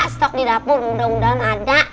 stok di dapur mudah mudahan ada